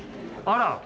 あら！